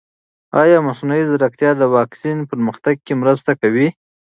ایا مصنوعي ځیرکتیا د واکسین پرمختګ کې مرسته کوي؟